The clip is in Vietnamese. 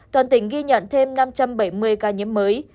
toàn tỉnh ghi nhận thêm năm trăm bảy mươi ca nhiễm mới